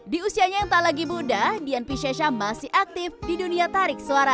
di usianya yang tak lagi muda dian piscesha masih aktif di dunia tarik suara